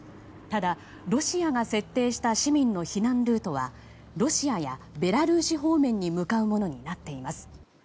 ただ、ロシアが設定した市民の避難ルートはロシアやベラルーシ方面に向かうものになっています。